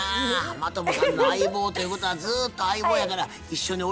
真飛さんの相棒ということはずっと相棒やから一緒におれるんですよね？